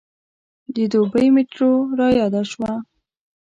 د دوبۍ میټرو رایاده شوه.